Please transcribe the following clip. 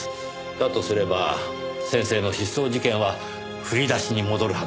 だとすれば先生の失踪事件は振り出しに戻るはずです。